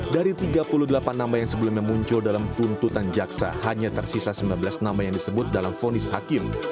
dari tiga puluh delapan nama yang sebelumnya muncul dalam tuntutan jaksa hanya tersisa sembilan belas nama yang disebut dalam fonis hakim